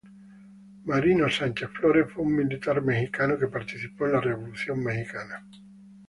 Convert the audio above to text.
Marino Sánchez Flores fue un militar mexicano que participó en la Revolución mexicana.